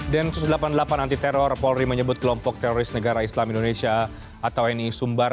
densus delapan puluh delapan anti teror polri menyebut kelompok teroris negara islam indonesia atau ni sumbar